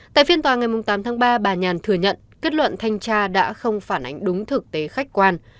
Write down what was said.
tại phiên tòa ngày tám tháng ba bà nhàn thừa nhận kết luận thanh tra đã không phản ánh đúng thực tế khách quan